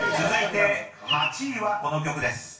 ［続いて８位はこの曲です］